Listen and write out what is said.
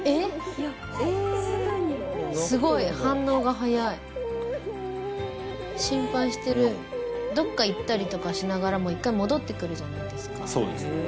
いやすぐに泣くとなんだすごい反応が早い心配してるうんどっか行ったりとかしながらも１回戻ってくるじゃないですかそうですね